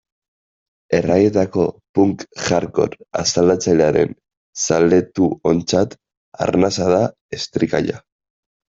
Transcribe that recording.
Erraietako punk-hardcore asaldatzailearen zaletuontzat arnasa da Estricalla.